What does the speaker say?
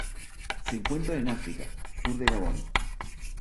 Se encuentran en África: sur de Gabón.